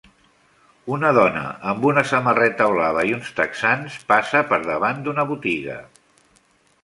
Una dona amb una samarreta blava i uns texans passa per davant d'una botiga